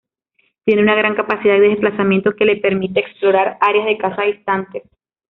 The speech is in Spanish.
Tiene una gran capacidad de desplazamiento que le permite explorar áreas de caza distantes.